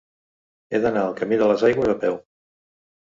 He d'anar al camí de les Aigües a peu.